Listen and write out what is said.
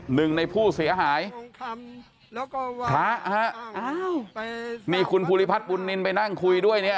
หนึ่งในผู้เสียหายพระฮะอ้าวนี่คุณภูริพัฒน์บุญนินไปนั่งคุยด้วยเนี่ย